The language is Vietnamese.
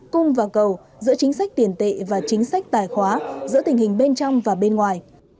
cung và cầu giữa chính sách tiền tệ và chính sách tài khóa giữa tình hình bên trong và bên ngoài